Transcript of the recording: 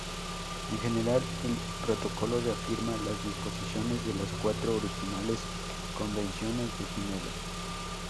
En general, el protocolo reafirma las disposiciones de las cuatro originales Convenciones de Ginebra.